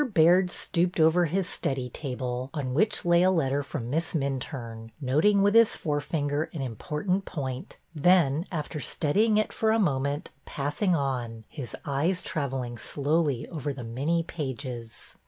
BAIRD Stooped over his study table, on which lay a letter from Miss Min turne, noting with his forefinger an important point, then, after studying it for a moment, passing on, his eyes traveling slowly over the many pages.